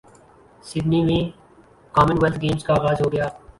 Sydney ویں Commonwealth Games کا اغاز ہو گیا